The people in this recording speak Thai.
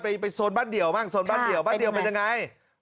โซนบ้านเดี่ยวบ้างโซนบ้านเดี่ยวบ้านเดียวมันยังไง